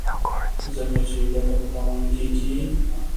ځکه چې ګټه په تاوان کېږي.